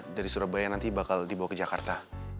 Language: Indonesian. dari surabaya nanti bakal dibawa ke jakarta